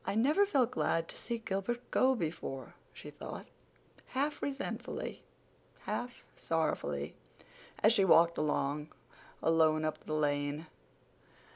"I never felt glad to see Gilbert go before," she thought, half resentfully, half sorrowfully, as she walked alone up the lane.